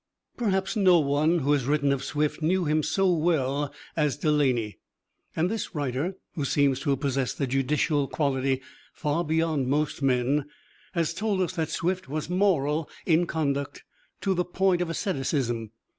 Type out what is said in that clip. Perhaps no one who has written of Swift knew him so well as Delany. And this writer, who seems to have possessed a judicial quality far beyond most men, has told us that Swift was moral in conduct to the point of asceticism.